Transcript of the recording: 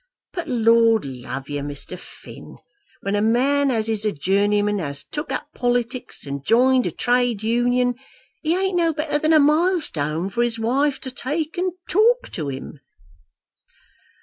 But, Lord love you, Mr. Finn, when a man as is a journeyman has took up politics and joined a Trade Union, he ain't no better than a milestone for his wife to take and talk to him."